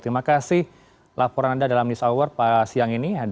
terima kasih laporan anda dalam news hour pada siang ini